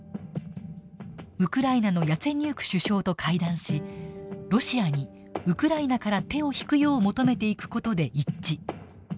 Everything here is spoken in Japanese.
ウクライナのヤツェニューク首相と会談しロシアにウクライナから手を引くよう求めていく事で一致。